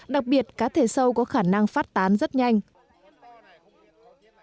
đặc biệt cá thể sâu có khả năng phát tán rất nhanh